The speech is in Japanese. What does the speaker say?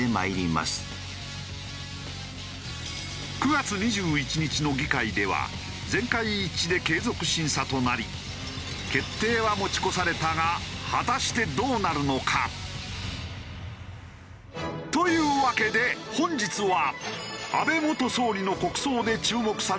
９月２１日の議会では全会一致で継続審査となり決定は持ち越されたが果たしてどうなるのか？というわけで本日は。